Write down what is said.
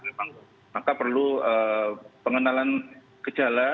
memang maka perlu pengenalan gejala